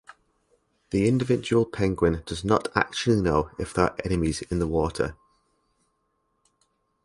The individual penguin does not actually know if there are enemies in the water.